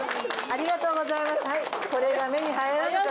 ありがとうございます。